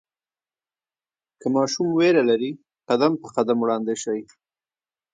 که ماشوم ویره لري، قدم په قدم وړاندې شئ.